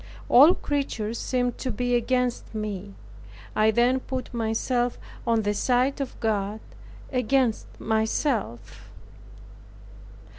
All creatures seemed to be against me. I then put myself on the side of God, against myself.